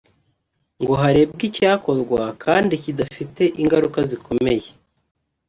ngo harebwe icyakorwa kandi kidafita ingaruka zikomeye